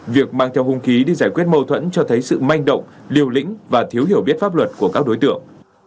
việc mang theo hung khí đi giải quyết mâu thuẫn cho thấy sự manh động liều lĩnh và thiếu hiểu biết pháp luật của các đối tượng